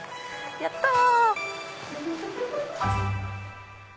やった！